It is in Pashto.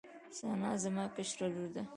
ثنا زما کشره لور ده